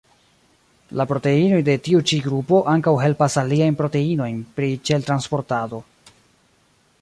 La proteinoj de tiu ĉi grupo ankaŭ helpas aliajn proteinojn pri ĉel-transportado.